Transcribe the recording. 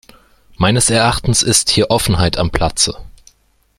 Meines Erachtens ist hier Offenheit am Platze.